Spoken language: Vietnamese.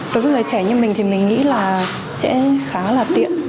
đối với người trẻ như mình thì mình nghĩ là sẽ khá là tiện